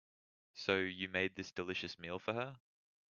So, you made this delicious meal for her?